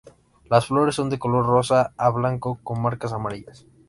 Las flores son de color rosa a blanco, con marcas amarillas.